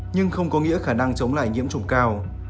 nhưng không có nghĩa khả năng chống lại nhiễm trùng cao